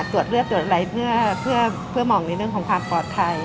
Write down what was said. ตรวจเลือดตรวจอะไรเพื่อมองในเรื่องของความปลอดภัย